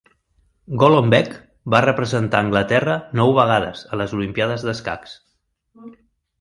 Golombek va representar a Anglaterra nou vegades a les olimpíades d'escacs.